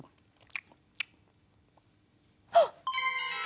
あっ！